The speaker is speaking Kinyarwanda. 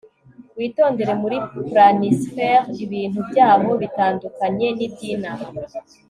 witondere muri planisphere, ibintu byaho bitandukanye nibyinaha